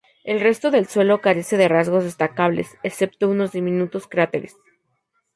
El resto del suelo carece de rasgos destacables, excepto unos diminutos cráteres.